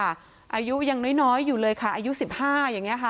อายุยังน้อยอยู่เลยค่ะอายุ๑๕อย่างนี้ค่ะ